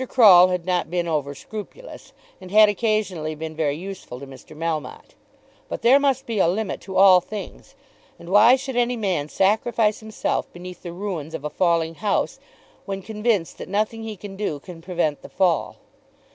Croll had not been over scrupulous, and had occasionally been very useful to Mr. Melmotte. But there must be a limit to all things; and why should any man sacrifice himself beneath the ruins of a falling house, when convinced that nothing he can do can prevent the fall?